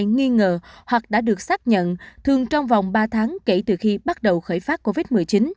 nghi ngờ hoặc đã được xác nhận thường trong vòng ba tháng kể từ khi bắt đầu khởi phát covid một mươi chín